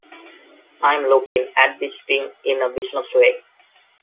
I'm looking at this thing in a business way.